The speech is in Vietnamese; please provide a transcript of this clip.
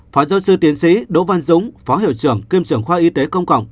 phó giáo sư tiến sĩ đỗ văn dũng phó hiệu trưởng kiêm trưởng khoa y tế công cộng